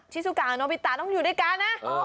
ชิซุกะโนบิตะต้องอยู่ด้วยกันนะ